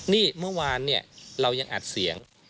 นี่เมื่อวานเนี่ยเรายังอัดเสียง